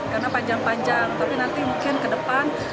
karena panjang panjang tapi nanti mungkin ke depan